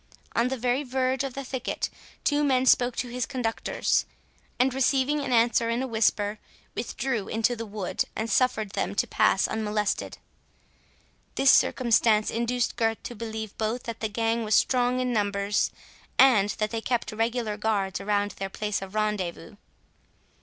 On the very verge of the thicket two men spoke to his conductors, and receiving an answer in a whisper, withdrew into the wood, and suffered them to pass unmolested. This circumstance induced Gurth to believe both that the gang was strong in numbers, and that they kept regular guards around their place of rendezvous.